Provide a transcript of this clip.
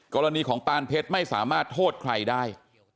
กรณีของปานเพชรไม่สามารถโทษใครได้